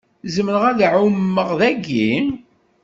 Zemreɣ ad ɛummeɣ dagi?